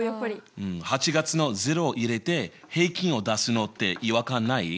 うん８月の０を入れて平均を出すのって違和感ない？